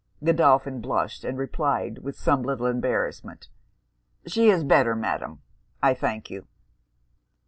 Godolphin blushed; and replied, with some little embarrassment, 'she is better, Madam, I thank you.'